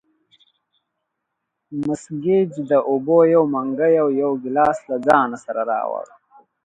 مس ګېج د اوبو یو منګی او یو ګیلاس له ځان سره راوړ.